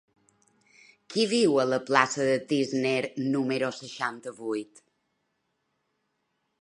Qui viu a la plaça de Tísner número seixanta-vuit?